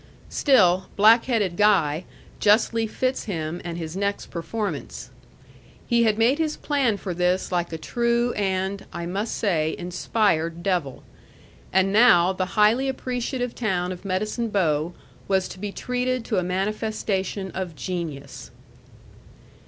Still, "black headed guy" justly fits him and his next performance. He had made his plan for this like a true and (I must say) inspired devil. And now the highly appreciative town of Medicine Bow was to be treated to a manifestation of genius.